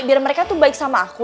biar mereka tuh baik sama aku